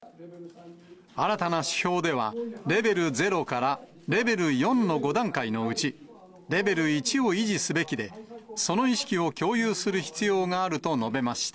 新たな指標では、レベル０からレベル４の５段階のうち、レベル１を維持すべきで、その意識を共有する必要があると述べました。